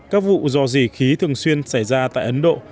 các vụ dò dì khí thường xuyên xảy ra tại ấn độ